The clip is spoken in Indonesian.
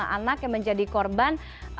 tiga ratus lima anak yang menjadi korban